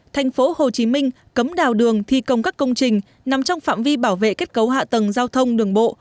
thành phố hồ chí minh cấm đào đường thi công các công trình nằm trong phạm vi bảo vệ kết cấu hạ tầng giao thông đường bộ